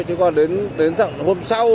chứ còn đến hôm sau